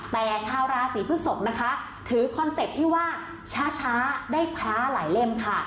แต่ชาวราศีพฤกษกนะคะถือคอนเซ็ปต์ที่ว่าช้าได้แพ้หลายเล่มค่ะ